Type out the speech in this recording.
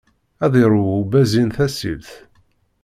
Ad iṛwu ubazin tasilt!